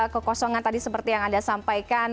kekosongan tadi seperti yang anda sampaikan